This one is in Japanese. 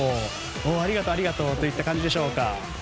ありがとうといった感じでしょうか。